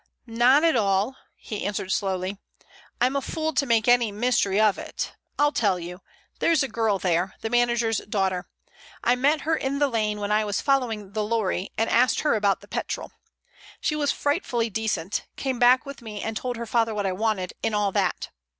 "Not at all" he answered slowly. "I'm a fool to make any mystery of it. I'll tell you. There is a girl there, the manager's daughter. I met her in the lane when I was following the lorry, and asked her about petrol. She was frightfully decent; came back with me and told her father what I wanted, and all that.